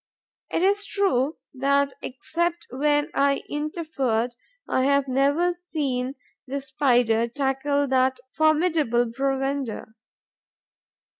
It is true that, except when I interfered, I have never seen the Spider tackle that formidable provender.